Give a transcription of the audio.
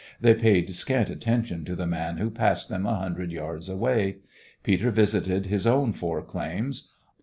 They paid scant attention to the man who passed them a hundred yards away. Peter visited his own four claims.